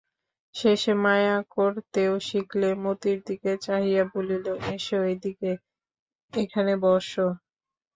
শেষে মায়া করতেও শিখলে মতির দিকে চাহিয়া বলিল, এসো এদিকে, এখানে বোসো।